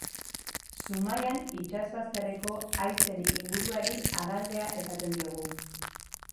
Zumaian itsasbazterreko haitzen inguruari harraldea esaten diogu.